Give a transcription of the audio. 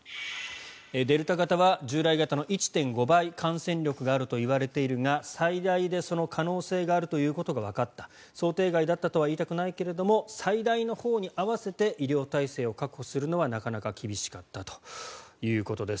デルタ型は従来型の１．５倍感染力があるといわれているが最大で、その可能性があるということがわかった想定外だったとは言いたくないけれども最大のほうに合わせて医療体制を確保するのはなかなか厳しかったということです。